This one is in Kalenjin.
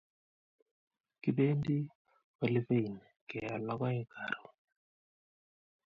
kipendi olivein keyal lokoek karun